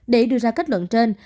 để đưa ra kết luận trên